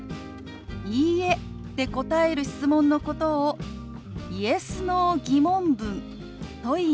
「いいえ」で答える質問のことを「Ｙｅｓ／Ｎｏ−疑問文」といいます。